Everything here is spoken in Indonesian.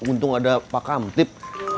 untung ada pak kamtip